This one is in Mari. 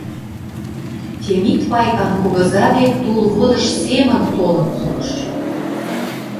Темит Пайкан кугыза дек тулводыж семын толын пурыш.